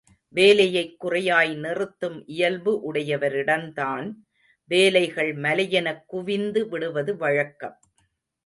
வேலையைக் குறையாய் நிறுத்தும் இயல்பு உடையவரிடந்தான் வேலைகள் மலையெனக் குவிந்து விடுவது வழக்கம்.